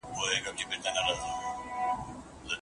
زړه دودومه زړه د حُسن و لمبو ته سپارم